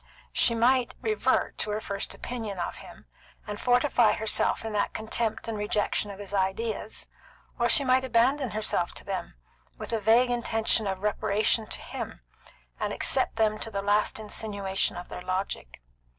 She might revert to her first opinion of him, and fortify herself in that contempt and rejection of his ideas, or she might abandon herself to them, with a vague intention of reparation to him, and accept them to the last insinuation of their logic.